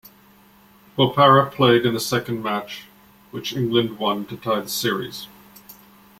Bopara played in the second match which England won to tie the series.